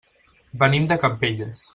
Venim de Campelles.